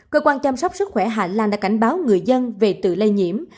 cơ quan chăm sóc sức khỏe hà lan đã cảnh báo người dân về tự lây nhiễm